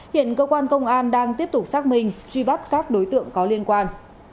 hiện cơ quan công an đang tiếp tục xác minh truy bắt các đối tượng có liên quan